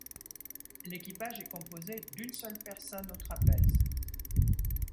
L'équipage est composé d'une seule personne au trapèze.